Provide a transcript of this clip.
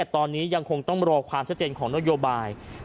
ตอนนี้ยังคงต้องรอความชัดเจนของนโยบาย